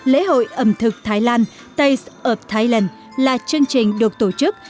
lễ hội ẩm thực thái lan taste of thailand là chương trình được tổ chức